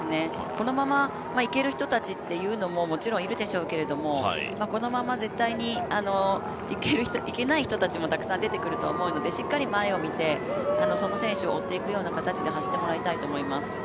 このままいける人たちっていうのももちろんいるでしょうけどもこのまま絶対に行けない人たちもたくさん出てくると思うのでしっかり前を見てその選手を追っていくような形で走ってもらいたいなと思います。